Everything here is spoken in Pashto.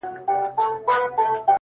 زه ! ته او سپوږمۍ!